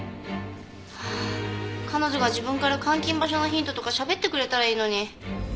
ハア彼女が自分から監禁場所のヒントとかしゃべってくれたらいいのに。